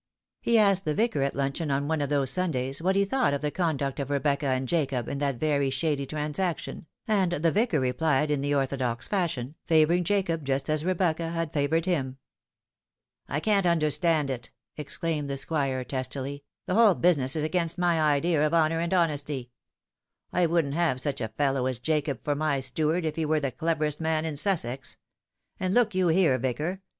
He asked the Vicar at luncheon on one of those Sundays what he thought of the conduct of Rebecca and Jacob in that very shady transaction, and the Vicar replied in the orthodox fashion, favouring Jacob just as Rebecca had favoured him. " I can't understand it," exclaimed the Squire testily ;" the whole business is against my idea of honour and honesty. I wouldn't have such a fellow as Jacob for my steward if he were the cleverest man in Sussex. And look you here, Vicar.